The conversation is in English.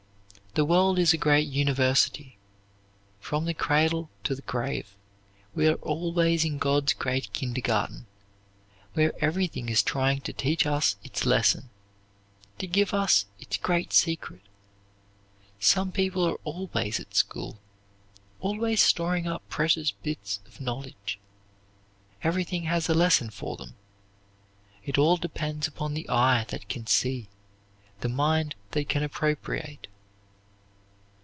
The world is a great university. From the cradle to the grave we are always in God's great kindergarten, where everything is trying to teach us its lesson; to give us its great secret. Some people are always at school, always storing up precious bits of knowledge. Everything has a lesson for them. It all depends upon the eye that can see, the mind that can appropriate.